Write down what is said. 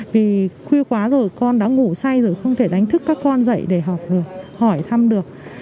vì khuya quá rồi con đã ngủ say rồi không thể đánh thức các con dạy để học được hỏi thăm được